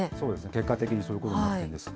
結果的にそういうことになりました。